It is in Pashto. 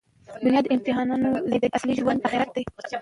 دونیا د امتحاناتو ځای دئ. اصلي ژوند آخرت دئ.